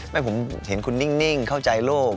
ไม่ผมเห็นคุณนิ่งเข้าใจโลก